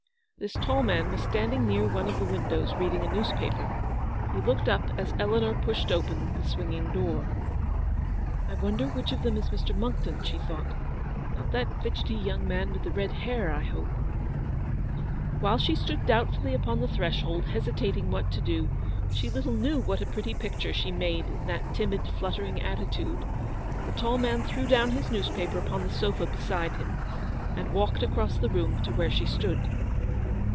This tall man was standing near one of the windows, reading a newspaper. He looked up as Eleanor pushed open the swinging door. '* I wonder which of them is Mr. Monckton," she thought. " Not that fidgety young man with the red hair, I hope." TTkile she still stood doubtfully upon the 242 Eleanor's victory. threshold, hesitating what to do — she little knew what a pretty picture she made in that timid, fluttering attitude — the tall man threw down his newspaper upon the sofa beside him, and walked across the room to where she stood.